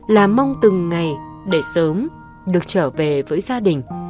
là mong từng ngày để sớm được trở về với gia đình